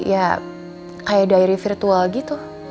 ya kayak diare virtual gitu